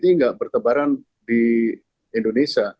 tidak berkebaran di indonesia